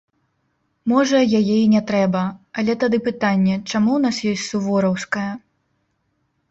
Можа, яе і не трэба, але тады пытанне, чаму ў нас ёсць сувораўская?